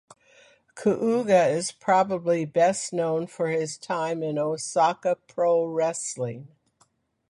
Kuuga is probably best known for his time in Osaka Pro Wrestling.